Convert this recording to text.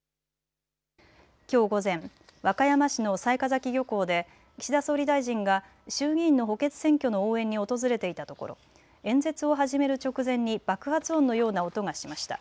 きょう午前、和歌山市の雑賀崎漁港で岸田総理大臣が衆議院の補欠選挙の応援に訪れていたところ演説を始める直前に爆発音のような音がしました。